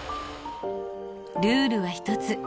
ルールはひとつ。